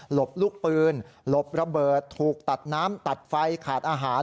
ลูกปืนหลบระเบิดถูกตัดน้ำตัดไฟขาดอาหาร